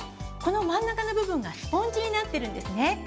この真ん中の部分がスポンジになってるんですね。